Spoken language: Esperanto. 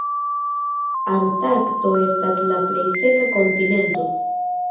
Antarkto estas la plej seka kontinento.